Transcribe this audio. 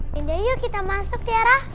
binda yuk kita masuk tiara